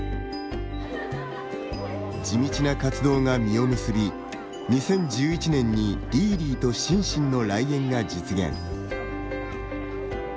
地道な活動が実を結び２０１１年にリーリーとシンシンの来園が実現。